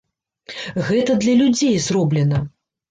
Гэта для людзей зроблена.